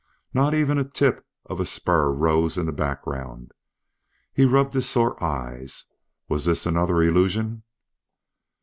Not even a tip of a spur rose in the background. He rubbed his sore eyes. Was this another illusion?